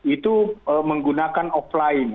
itu menggunakan offline